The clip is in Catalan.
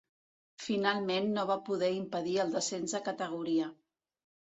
Finalment no va poder impedir el descens de categoria.